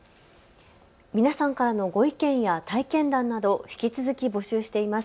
皆さんからのご意見や体験談などは引き続き募集しています。